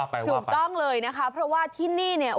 อ้าวว่าไปว่าไป